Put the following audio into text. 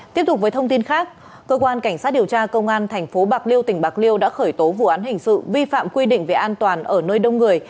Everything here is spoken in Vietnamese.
tiếp tục với thông tin khác cơ quan cảnh sát điều tra công an tp bạc liêu tỉnh bạc liêu đã khởi tố vụ án hình sự vi phạm quy định về an toàn ở nơi đông người